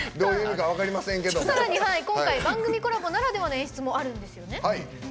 番組コラボならではの演出もあるんですよね。